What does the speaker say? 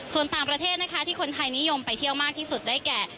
ส่วนต่างประเทศนะคะที่คนไทยนิยมไปเที่ยวมากที่สุดได้แก่